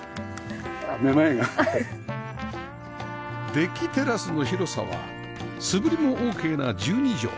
デッキテラスの広さは素振りもオーケーな１２畳